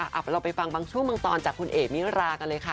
เอาเราไปฟังบางช่วงบางตอนจากคุณเอกมิรากันเลยค่ะ